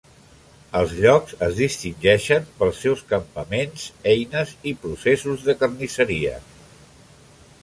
Els llocs es distingeixen pels seus campaments, eines i processos de carnisseria.